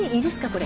これ。